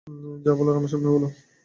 যা বলার আমার সামনে বলো।